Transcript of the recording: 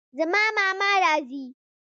زما ماما راځي